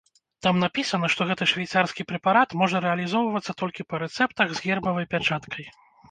Там напісана, што гэты швейцарскі прэпарат можа рэалізоўвацца толькі па рэцэптах з гербавай пячаткай.